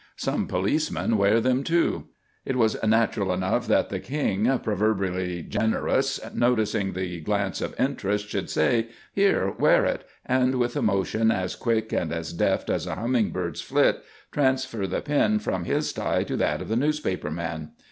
Some policemen wear them, too. It was natural enough, that the "King," proverbially generous, noticing the glance of interest, should say, "Here, wear it," and with a motion as quick and as deft as a hummingbird's flit, transfer the pin from his tie to that of the newspaper man.